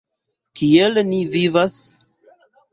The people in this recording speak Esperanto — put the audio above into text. Kiel ni vivas?